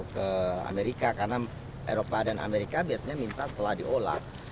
karena eropa dan amerika biasanya minta setelah diolak